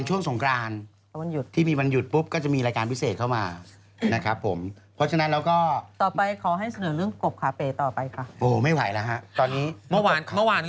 ออกวันหยุดอาประมาณนั้นอาจจะเป็นช่วงสงกราน